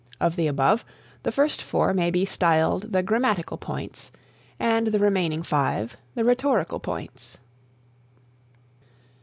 Of the above, the first four may be styled the grammatical points, and the remaining five, the rhetorical points.